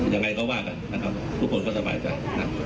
ยังไงก็ว่ากันทุกคนก็สบายใจ